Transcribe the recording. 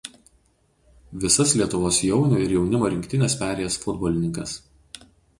Visas Lietuvos jaunių ir jaunimo rinktines perėjęs futbolininkas.